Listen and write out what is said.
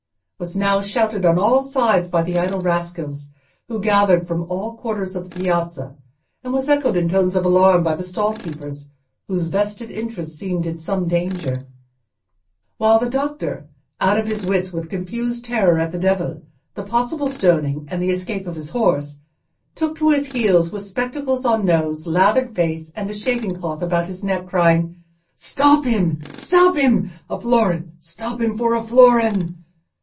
was now shouted on all sides by the idle rascals who gathered from all quarters of the piazza, and was echoed in tones of alarm by the stall keepers, whose vested interests seemed in some danger; while the doctor, out of his wits with confused terror at the Devil, the possible stoning, and the escape of his horse, took to his heels with spectacles on nose, lathered face, and the shaving cloth about his neck, crying—"Stop him! stop him! for a powder—a florin—stop him for a florin!"